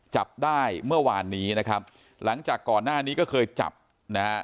จับได้เมื่อวานนี้นะครับหลังจากก่อนหน้านี้ก็เคยจับนะฮะ